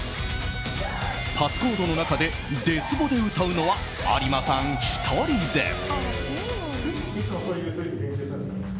ＰａｓｓＣｏｄｅの中でデスボで歌うのは有馬さん１人です。